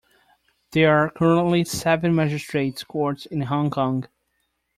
There are currently seven magistrates' courts in Hong Kong.